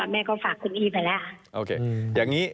แม่ก็ฝากคุณอีไปแล้ว